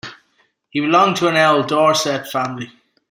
He belonged to an old Dorset family.